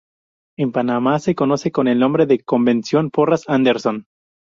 En Panamá se conoce con el nombre de "convención Porras-Anderson".